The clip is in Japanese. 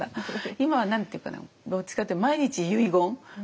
今は何て言うかなどっちかっていうと遺言？